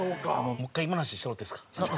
もう１回今の話してもらっていいですか？